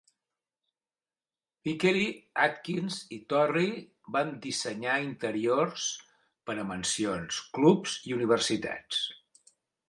Vickery, Atkins i Torrey van dissenyar interiors per a mansions, clubs i universitats.